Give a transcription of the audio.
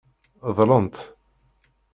Dlent.